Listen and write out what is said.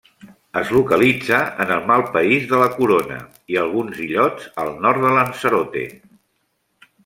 Es localitza en el malpaís de la Corona i alguns illots al nord de Lanzarote.